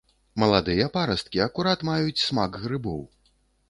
Маладыя парасткі акурат маюць смак грыбоў.